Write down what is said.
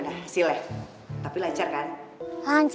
nah apa dengan cowok